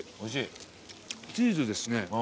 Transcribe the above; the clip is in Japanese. チーズですね。